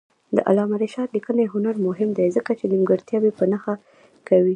د علامه رشاد لیکنی هنر مهم دی ځکه چې نیمګړتیاوې په نښه کوي.